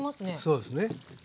そうですね。